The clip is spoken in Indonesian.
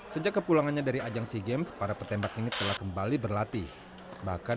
sejak kepulangannya dari ajang sea games para petembak ini telah kembali berlatih bahkan